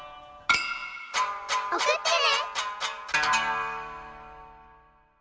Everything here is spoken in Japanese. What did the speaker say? おくってね。